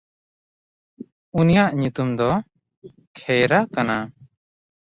ᱩᱱᱤᱭᱟᱜ ᱧᱩᱛᱩᱢ ᱫᱚ ᱠᱷᱮᱭᱨᱟ ᱠᱟᱱᱟ᱾